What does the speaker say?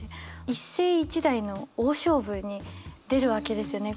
一世一代の大勝負に出るわけですよね。